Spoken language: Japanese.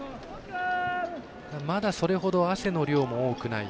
まだ、それほど汗の量も多くない。